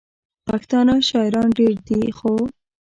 پښتانه شاعران ډېر دي، خو: